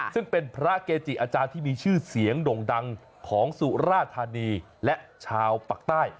ซึ่งเป็นพระเกจิอาจารย์ที่มีชื่อเสียงด่งดังของสุราธานีและชาวปากใต้